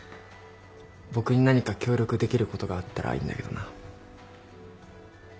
僕に何か協力できることがあったらいいんだけどな。